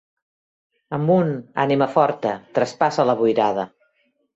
Amunt ànima forta! Traspassa la boirada!